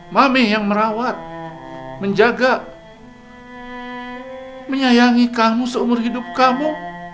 mami yang merawat menjaga menyayangi kamu seumur hidup kamu